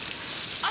あっ。